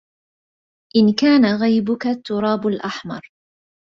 إِن كان غيبك التراب الأحمر